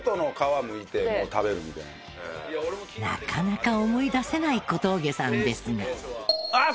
なかなか思い出せない小峠さんですが。